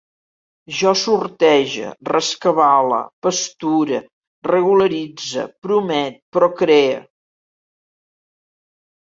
Jo sortege, rescabale, pasture, regularitze, promet, procree